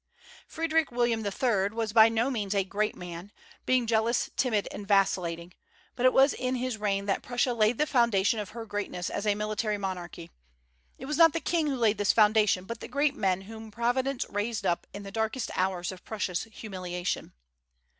Frederick William III. was by no means a great man, being jealous, timid, and vacillating; but it was in his reign that Prussia laid the foundation of her greatness as a military monarchy. It was not the king who laid this foundation, but the great men whom Providence raised up in the darkest hours of Prussia's humiliation.